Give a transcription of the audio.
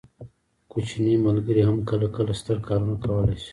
کوچني ملګري هم کله کله ستر کارونه کولی شي.